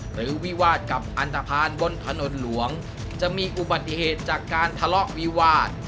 วิวาสกับอันตภัณฑ์บนถนนหลวงจะมีอุบัติเหตุจากการทะเลาะวิวาส